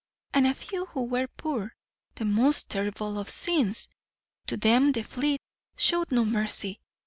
And a few who were poor the most terrible of sins to them the fleet showed no mercy.